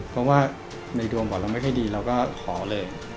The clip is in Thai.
เพราะว่าในดวงก่อนเราไม่ค่อยดีเราก็ขอเลย